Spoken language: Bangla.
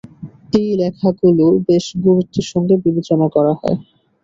এই লেখাগুলো বেশ গুরুত্বের সঙ্গে বিবেচনা করা হয়।